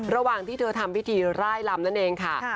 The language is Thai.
ระหว่างที่เธอทำพิธีไล่ลำนั่นเองค่ะ